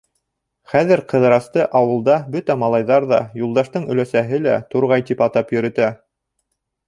Хәҙер Ҡыҙырасты ауылда бөтә малайҙар ҙа, Юлдаштың өләсәһе лә «Турғай» тип атап йөрөтә.